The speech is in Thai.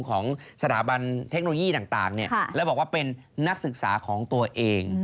ของสถาบันเทคโนโลยีต่างแล้วบอกว่าเป็นนักศึกษาของตัวเอง